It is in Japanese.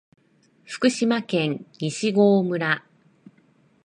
福島県西郷村